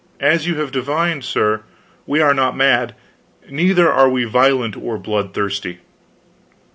As you have divined, sir, we are not mad; neither are we violent or bloodthirsty."